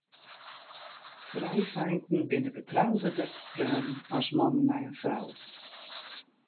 Frijfeinten binne betrouberder freonen as mannen mei in frou.